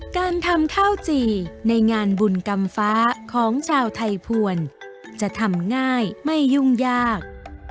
การทำข้าวจี่ในงานบุญกรรมฟ้าของชาวไทยภวรจะทำง่ายไม่ยุ่งยาก